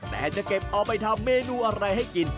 แต่จะเก็บเอาไปทำเมนูอะไรให้กิน